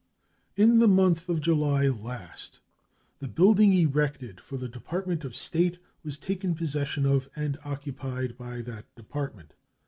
In the month of July last the building erected for the Department of State was taken possession of and occupied by that Department.